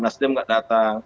nasdem nggak datang